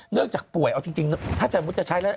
จากป่วยเอาจริงถ้าสมมุติจะใช้แล้ว